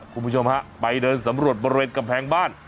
คุณผู้ชมฮะไปเดินสำรวจบริเวณกำแพงบ้าน